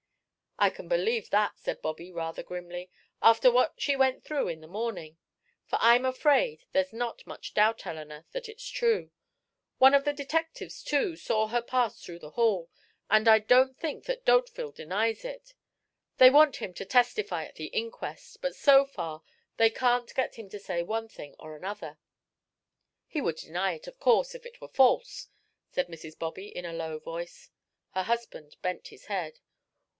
"I can believe that," said Bobby, rather grimly, "after what she went through in the morning. For I'm afraid there's not much doubt, Eleanor, that it's true. One of the detectives, too, saw her pass through the hall, and I don't think that D'Hauteville denies it. They want him to testify at the inquest, but so far, they can't get him to say one thing or another." "He would deny it, of course, if it were false," said Mrs. Bobby, in a low voice. Her husband bent his head.